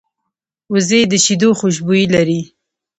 وزې د شیدو خوشبويي لري